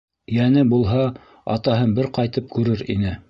Йәне булһа, атаһын бер ҡайтып күрер ине.